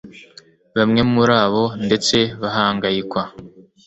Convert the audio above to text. Bamwe muri abo ndetse bahangayikwa